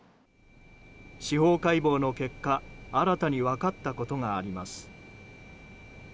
司法解剖の結果新たに分かったことがあります。